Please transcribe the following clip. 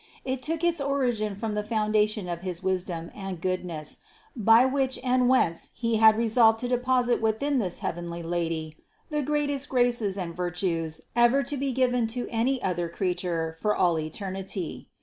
It took its origin from the foundation of his Wisdom and Good ness, by which and whence He had resolved to deposit within this heavenly Lady the greatest graces and vir tues ever to be given to any other creature for all eter nity.